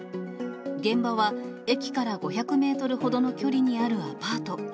現場は、駅から５００メートルほどの距離にあるアパート。